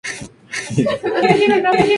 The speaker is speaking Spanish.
Es una especie ovípara, con larvas planctónicas.